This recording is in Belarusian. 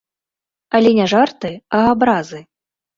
Але не жарты, а абразы.